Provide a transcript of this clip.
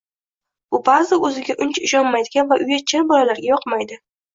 Bu ba’zi o‘ziga uncha ishonmaydigan va uyatchan bolalarga yoqmaydi.